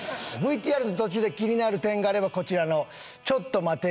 ＶＴＲの途中で気になる点があればこちらのちょっと待てぃ！！